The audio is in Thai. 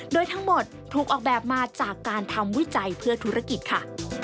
โดยทั้งหมดถูกออกแบบมาจากการทำวิจัยเพื่อธุรกิจค่ะ